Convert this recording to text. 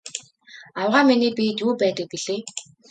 Авгай миний биед юу байдаг билээ?